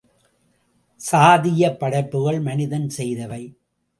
சாதீயப்படைப்புகள் மனிதன் செய்தவை.